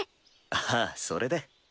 ああそれで。